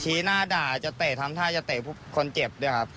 หน้าด่าจะเตะทำท่าจะเตะคนเจ็บด้วยครับ